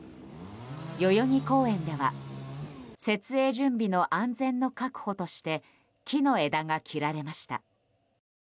代々木公園では設営準備の安全の確保として木の枝が切られました。